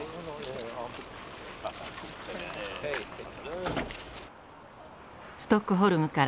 ストックホルムから６０キロ。